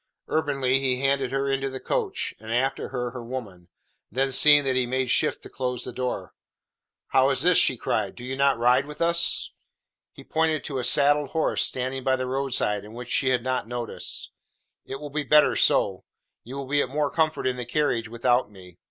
Urbanely he handed her into the coach, and, after her, her woman. Then seeing that he made shift to close the door: "How is this?" she cried. "Do you not ride with us?" He pointed to a saddled horse standing by the roadside, and which she had not noticed. "It will be better so. You will be at more comfort in the carriage without me.